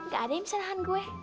gak ada yang bisa menahan gue